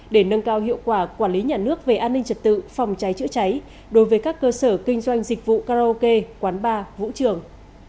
để nâng cao hiệu quả quản lý nhà nước về an ninh trật tự phòng cháy chữa cháy đối với các cơ sở kinh doanh dịch vụ karaoke quán bar vũ trường